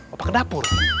apa ke dapur